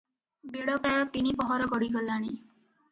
ବେଳ ପ୍ରାୟ ତିନି ପହର ଗଡ଼ିଗଲାଣି ।